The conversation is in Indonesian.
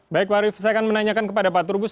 baik warif saya akan menanyakan kepada pak turbus